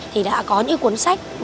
thì đã có những cuốn sách